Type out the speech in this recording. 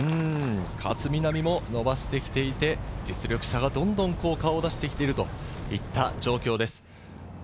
勝みなみも伸ばしてきていて、実力者がどんどん顔出してきているといった状況です。